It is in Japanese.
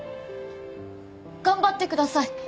頑張ってください。